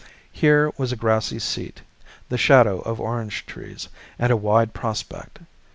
Here were a grassy seat, the shadow of orange trees, and a wide prospect.